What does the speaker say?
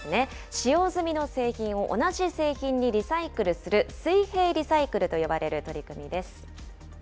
使用済みの製品を同じ製品にリサイクルする水平リサイクルと呼ばれる取り組みです。